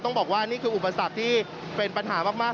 ต้องบอกว่านี่คืออุปสรรคที่เป็นปัญหามาก